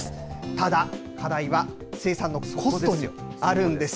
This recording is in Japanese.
ただ、課題は生産のコストにあるんです。